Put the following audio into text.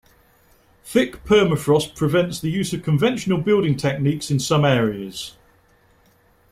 Thick permafrost prevents the use of conventional building techniques in some areas.